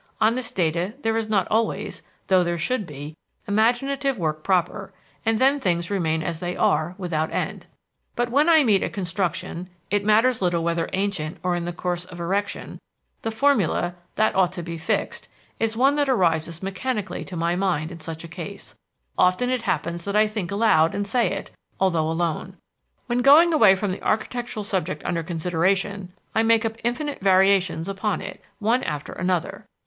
On this data there is not always, though there should be, imaginative work proper, and then things remain as they are, without end. "But when I meet a construction it matters little whether ancient or in the course of erection the formula, 'That ought to be fixed,' is one that rises mechanically to my mind in such a case; often it happens that I think aloud and say it, although alone. When going away from the architectural subject under consideration, I make up infinite variations upon it, one after another.